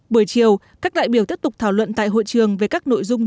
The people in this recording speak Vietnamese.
buổi chiều các đại biểu tiếp tục thảo luận tại hội trường về các nội dung